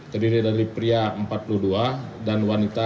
terdiri dari pria empat puluh dua dan wanita